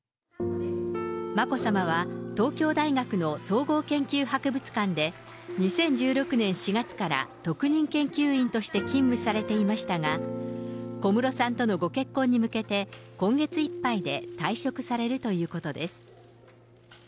眞子さまは、東京大学の総合研究博物館で、２０１６年４月から特任研究員として勤務されていましたが、小室さんとのご結婚に向けて、今月いっぱいで退職されるということです。